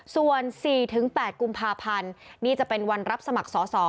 ส่วน๔๘กุมภาพันธ์นี่จะเป็นวันรับสมัครสอสอ